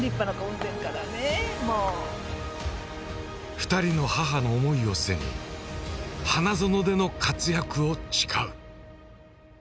２人の母の思いを背に花園での活躍を誓う。